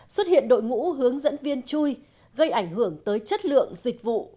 xuất hiện đội ngũ hướng dẫn viên chui gây ảnh hưởng tới chất lượng dịch vụ